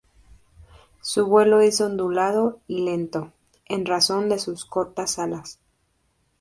Su vuelo es ondulado y lento, en razón de sus cortas alas.